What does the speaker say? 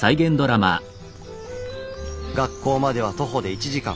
学校までは徒歩で１時間。